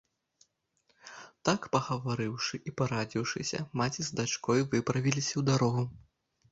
Так пагаварыўшы і парадзіўшыся, маці з дачкой выправіліся ў дарогу.